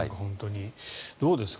どうですか？